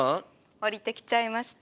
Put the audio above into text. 降りてきちゃいました。